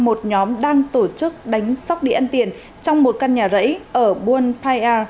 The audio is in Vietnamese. một nhóm đang tổ chức đánh sóc điện tiền trong một căn nhà rẫy ở buôn pai a